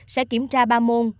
sẽ kiểm tra ba môn